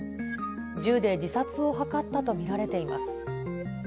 銃で自殺を図ったと見られています。